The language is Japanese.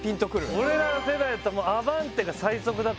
俺らの世代だったらアバンテ？